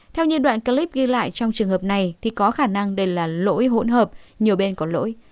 theo như đoạn clip ghi lại trong trường hợp này thì có khả năng đây là lỗi hỗn hợp nhiều bên có lỗi